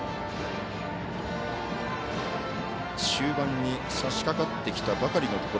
中盤にさしかかってきたばかり。